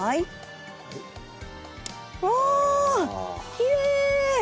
きれい！